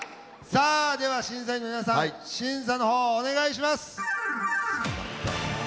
さあでは審査員の皆さん審査の方をお願いします。